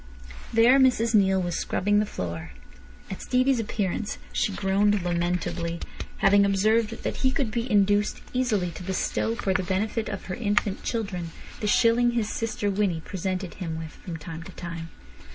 There Mrs Neale was scrubbing the floor. At Stevie's appearance she groaned lamentably, having observed that he could be induced easily to bestow for the benefit of her infant children the shilling his sister Winnie presented him with from time to time.